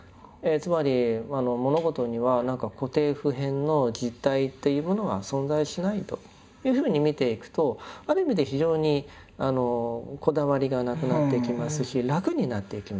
つまり物事には何か固定普遍の実体というものは存在しないというふうに見ていくとある意味で非常にこだわりがなくなっていきますし楽になっていきます。